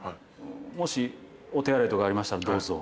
もしお手洗いとかありましたらどうぞ。